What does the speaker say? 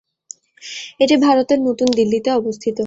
এটি ভারতের নতুন দিল্লিতে অবস্থিত।